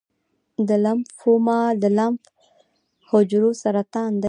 د لمفوما د لمف حجرو سرطان دی.